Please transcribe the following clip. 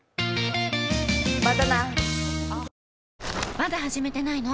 まだ始めてないの？